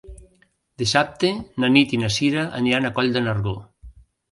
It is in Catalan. Dissabte na Nit i na Cira aniran a Coll de Nargó.